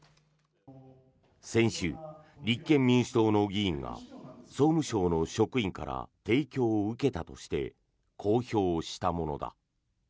先週、立憲民主党の議員が総務省の職員から提供を受けたとして公表したものだ。